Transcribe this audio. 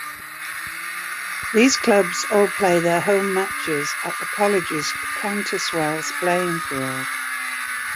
These clubs all play their home matches at the College's Countesswells Playing Field.